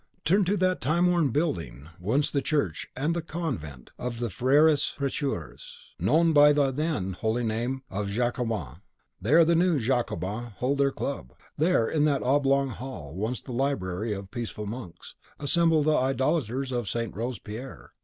Turn to that time worn building, once the church and the convent of the Freres Precheurs, known by the then holy name of Jacobins; there the new Jacobins hold their club. There, in that oblong hall, once the library of the peaceful monks, assemble the idolaters of St. Robespierre.